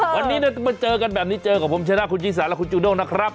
วันนี้มาเจอกันแบบนี้เจอกับผมชนะคุณชิสาและคุณจูด้งนะครับ